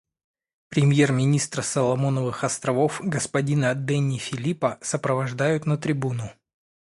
Премьер-министра Соломоновых Островов господина Дэнни Филипа сопровождают на трибуну.